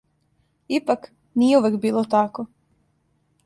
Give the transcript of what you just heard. Ипак, није увек било тако.